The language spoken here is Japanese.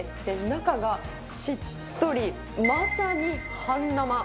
中がしっとり、まさに半生。